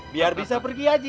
biar bisa pergi haji